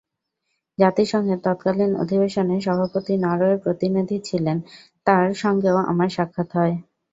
জাতিসংঘের তৎকালীন অধিবেশনে সভাপতি নরওয়ের প্রতিনিধি ছিলেন, তাঁর সঙ্গেও আমার সাক্ষাৎ হয়।